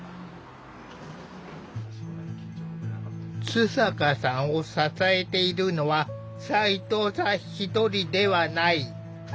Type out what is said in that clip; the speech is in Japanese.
津坂さんを支えているのは斉藤さん１人ではない。